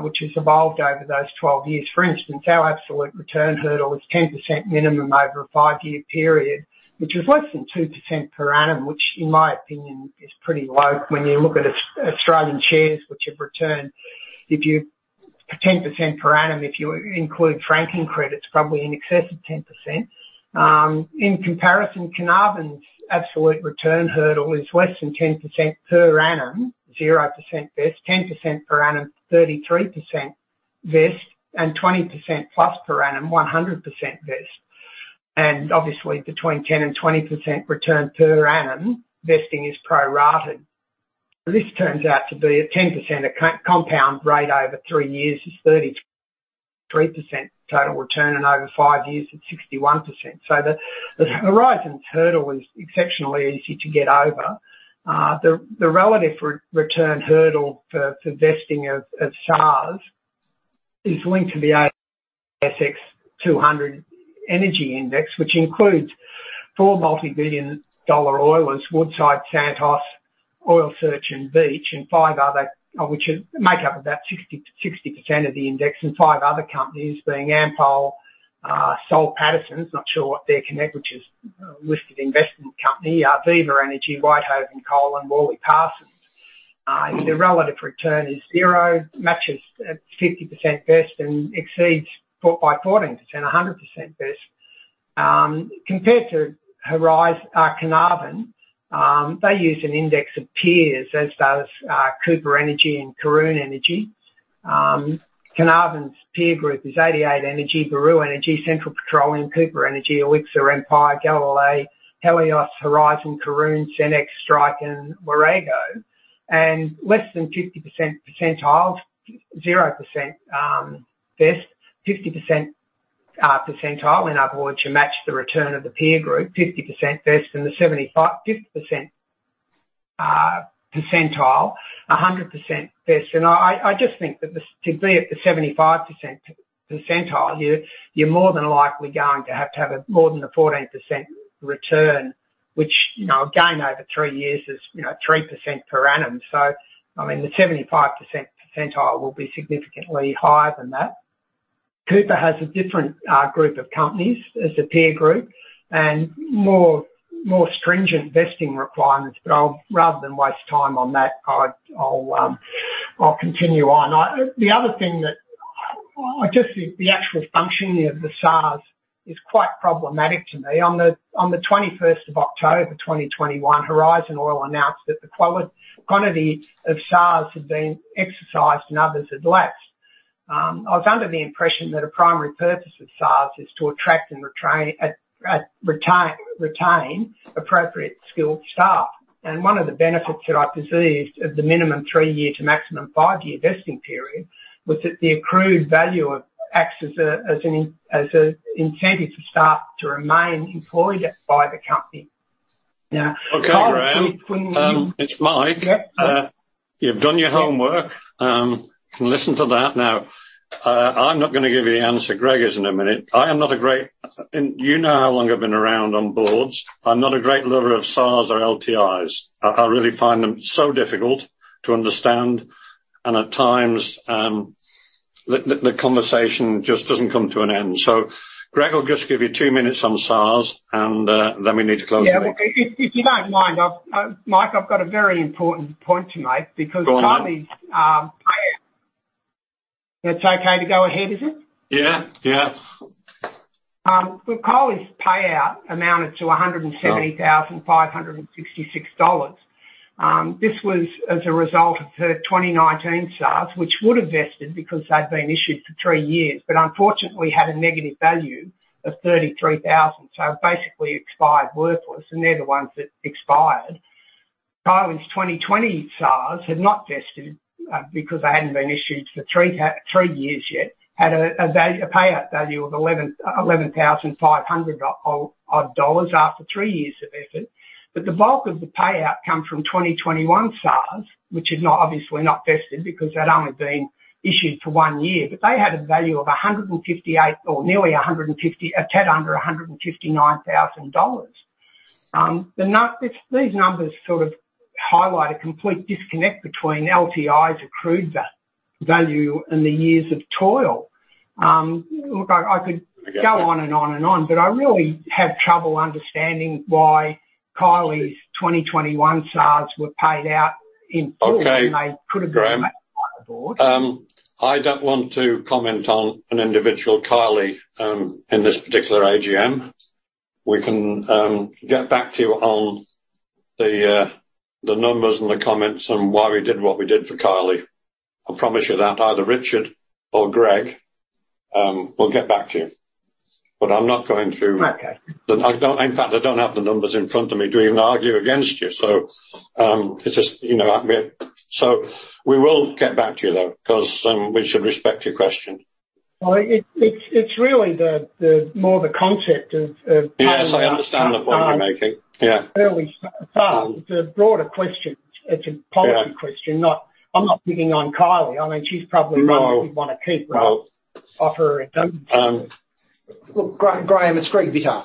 which has evolved over those 12 years. For instance, our absolute return hurdle is 10% minimum over a five-year period, which is less than 2% per annum, which in my opinion is pretty low when you look at Australian shares which have returned 10% per annum. If you include franking credits, probably in excess of 10%. In comparison, Carnarvon's absolute return hurdle is less than 10% per annum, 0% vest, 10% per annum, 33% vest, 20% plus per annum, 100% vest. Obviously between 10% and 20% return per annum, vesting is prorated. This turns out to be a 10% compound rate over three years is 33% total return, over five years it's 61%. The Horizon hurdle is exceptionally easy to get over. The relative return hurdle for vesting of SARs is linked to the S&P/ASX 200 Energy Index, which includes four multi-billion-dollar oilers, Woodside, Santos, Oil Search, and Beach, which make up about 60% of the index, five other companies being Ampol, Soul Pattinson's, not sure what their connect, which is a listed investment company, Viva Energy, Whitehaven Coal, and Worley Parsons. The relative return is zero, matches at 50% vest and exceeds by 14%, 100% vest. Compared to Carnarvon, they use an index of peers, as does Cooper Energy and Karoon Energy. Carnarvon's peer group is 88 Energy, Buru Energy, Central Petroleum, Cooper Energy, Elixir, Empire, Galilee Energy, Helios, Horizon, Karoon, Senex, Strike and Warrego. Less than 50% percentile, 0% vest, 50% percentile, in other words, you match the return of the peer group, 50% vest and the 75th percentile, 100% vest. I just think that to be at the 75th percentile, you're more than likely going to have to have a more than a 14% return, which again, over three years is 3% per annum. The 75th percentile will be significantly higher than that. Cooper has a different group of companies as a peer group and more stringent vesting requirements. Rather than waste time on that, I'll continue on. The other thing that I just think the actual functioning of the SARs is quite problematic to me. On the 21st of October 2021, Horizon Oil announced that the quantity of SARs had been exercised and others had lapsed. I was under the impression that a primary purpose of SARs is to attract and retain appropriate skilled staff. One of the benefits that I perceived of the minimum three-year to maximum five-year vesting period was that the accrued value acts as an incentive for staff to remain employed by the company. Okay, Graham. It's Mike. Yep. You've done your homework. Listen to that. I'm not going to give you the answer. Greg is in a minute. You know how long I've been around on boards. I'm not a great lover of SARs or LTIs. I really find them so difficult to understand, and at times, the conversation just doesn't come to an end. Greg will just give you two minutes on SARs, and then we need to close the meeting. Yeah. Well, if you don't mind, Mike, I've got a very important point to make because Kylie's- Go on. It's okay to go ahead, is it? Yeah. Kylie's payout amounted to 170,566 dollars. This was as a result of her 2019 SARs, which would have vested because they'd been issued for three years, but unfortunately had a negative value of 33,000. Basically expired worthless, and they're the ones that expired. Kylie's 2020 SARs had not vested because they hadn't been issued for three years yet, had a payout value of 11,500 dollars odd after three years of effort. The bulk of the payout came from 2021 SARs, which is obviously not vested because they'd only been issued for one year. They had a value of 158 or nearly 150 A tad under 159,000 dollars. These numbers sort of highlight a complete disconnect between LTIs accrued value and the years of toil. Look, I could go on and on and on, I really have trouble understanding why Kylie's 2021 SARs were paid out in full. Okay, Graham. when they could have been by the board. I don't want to comment on an individual, Kyle, in this particular AGM. We can get back to you on the numbers and the comments and why we did what we did for Kyle. I promise you that either Richard or Greg will get back to you. I'm not going through- Okay. In fact, I don't have the numbers in front of me to even argue against you. We will get back to you, though, because we should respect your question. Well, it's really more the concept. Yes, I understand the point you're making. Yeah. It's a broader question. It's a policy question. I'm not picking on Kyle. No somebody you'd want to keep. Look, Graham, it's Greg Bittar.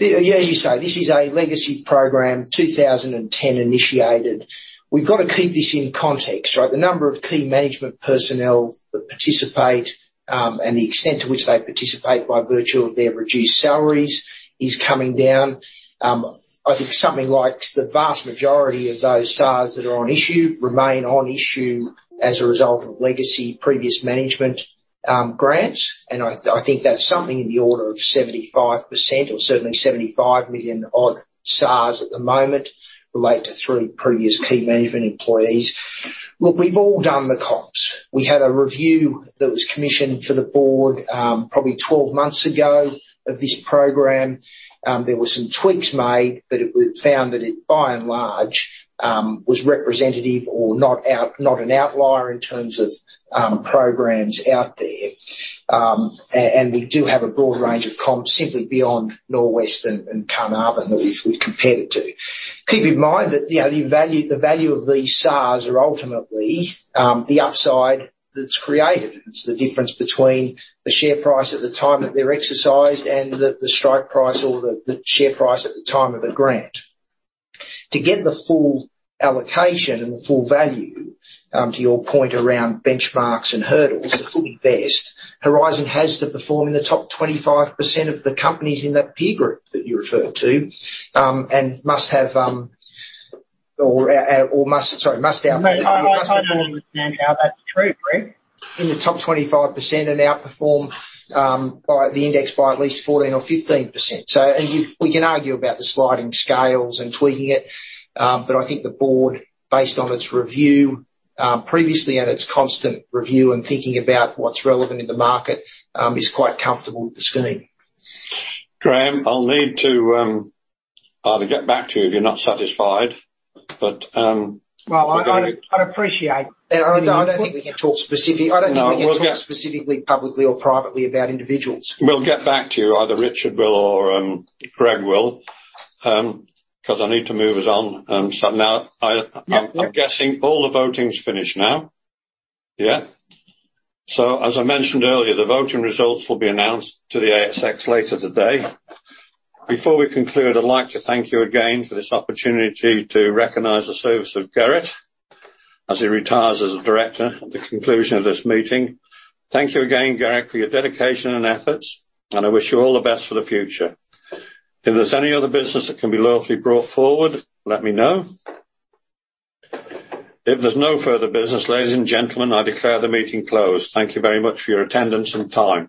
As you say, this is a legacy program, 2010 initiated. We've got to keep this in context, right? The number of key management personnel that participate, and the extent to which they participate by virtue of their reduced salaries is coming down. I think something like the vast majority of those SARs that are on issue remain on issue as a result of legacy previous management grants. I think that's something in the order of 75% or certainly 75 million odd SARs at the moment relate to three previous key management employees. Look, we've all done the comps. We had a review that was commissioned for the board, probably 12 months ago, of this program. There were some tweaks made, but we found that it, by and large, was representative or not an outlier in terms of programs out there. We do have a broad range of comps simply beyond Norwest and Carnarvon that we've compared it to. Keep in mind that the value of these SARs are ultimately the upside that's created. It's the difference between the share price at the time that they're exercised and the strike price or the share price at the time of the grant. To get the full allocation and the full value, to your point around benchmarks and hurdles to fully vest, Horizon has to perform in the top 25% of the companies in that peer group that you referred to, must out- I don't understand how that's true, Greg. In the top 25% and outperform the index by at least 14 or 15%. We can argue about the sliding scales and tweaking it, but I think the board, based on its review previously and its constant review and thinking about what's relevant in the market, is quite comfortable with the scheme. Graham, I'll need to either get back to you if you're not satisfied. Well. I don't think we can talk specifically, publicly or privately about individuals. We'll get back to you, either Richard will or Greg will, because I need to move us on. Now, I'm guessing all the voting's finished now. Yeah. As I mentioned earlier, the voting results will be announced to the ASX later today. Before we conclude, I'd like to thank you again for this opportunity to recognize the service of Gareth as he retires as a director at the conclusion of this meeting. Thank you again, Gareth, for your dedication and efforts, and I wish you all the best for the future. If there's any other business that can be lawfully brought forward, let me know. If there's no further business, ladies and gentlemen, I declare the meeting closed. Thank you very much for your attendance and time.